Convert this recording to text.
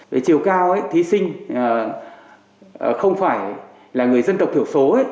về chiều cao thí sinh không phải là người dân tộc thiểu số